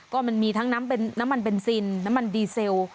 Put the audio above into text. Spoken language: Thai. ก็มันมีทั้งน้ำมันเบนซินน้ำมันดีเซล